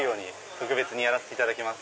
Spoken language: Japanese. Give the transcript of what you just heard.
特別にやらせていただきます。